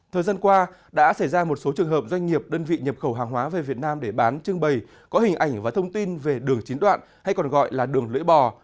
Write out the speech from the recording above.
thời gian qua đã xảy ra một số trường hợp doanh nghiệp đơn vị nhập khẩu hàng hóa về việt nam để bán trưng bày có hình ảnh và thông tin về đường chín đoạn hay còn gọi là đường lưỡi bò